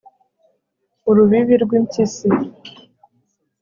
Urubibi rwimpyisi